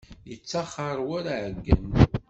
Yettaxer war aɛeyyen.